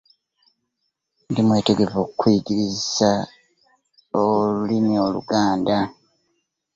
Ndi mwetegefu okkuyigiriza olulimi oluganda.